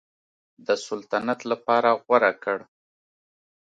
د سلطنت لپاره غوره کړ.